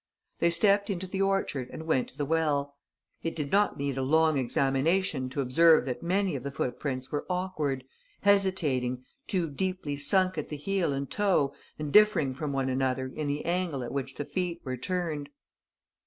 They stepped into the orchard and went to the well. It did not need a long examination to observe that many of the footprints were awkward, hesitating, too deeply sunk at the heel and toe and differing from one another in the angle at which the feet were turned.